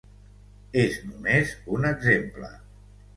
És només un exemple.